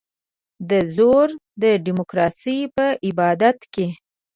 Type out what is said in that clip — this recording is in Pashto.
دا زور د ډیموکراسۍ په عبادت کې.